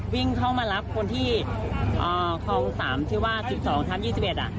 วิ่งเข้ามารับคนที่คลอง๓ที่ว่า๑๒ทับ๒๑อ่ะ